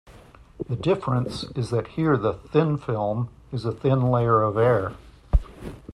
The difference is that here the "thin film" is a thin layer of air.